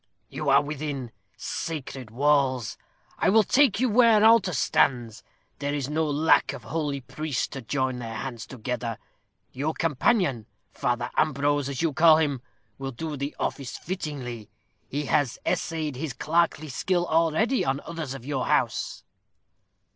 "You are within sacred walls. I will take you where an altar stands. There is no lack of holy priest to join their hands together. Your companion, Father Ambrose, as you call him, will do the office fittingly. He has essayed his clerkly skill already on others of your house."